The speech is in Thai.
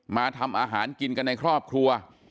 มาทำอาหารกินกันในครอบครัว